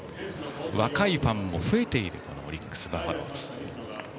若いファンも増えているオリックス・バファローズ。